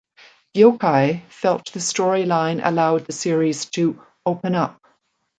Gjokaj felt the storyline allowed the series to "open up".